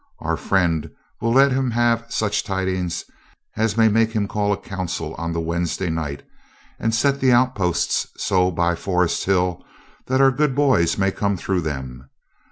Our friend will let him have such tidings as may make him call a council on the Wednesday night and set the outposts so by Forest hill that our good boys may come through them.